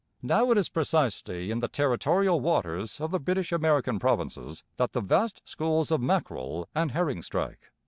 Now it is precisely in the territorial waters of the British American provinces that the vast schools of mackerel and herring strike.